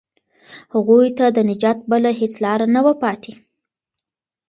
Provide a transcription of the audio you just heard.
هغوی ته د نجات بله هیڅ لاره نه وه پاتې.